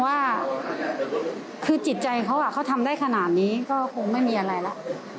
อาจจะฟังคุณแม่หน่อยนะครับ